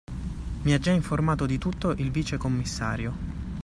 Mi ha già informato di tutto il vicecommissario.